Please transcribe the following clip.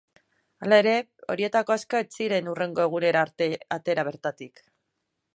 Hala ere, horietako asko ez ziren hurrengo egunera arte atera bertatik.